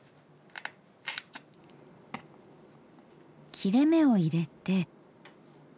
切れ目を入れて。